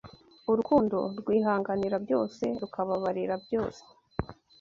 urukundo rwihanganira byose rukababarira byose